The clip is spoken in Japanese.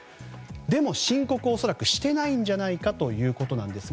でも、申告を恐らくしていないんじゃないかということですが。